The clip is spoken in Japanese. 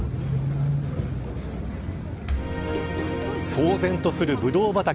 騒然とするブドウ畑。